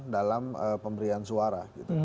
dalam pemberian suara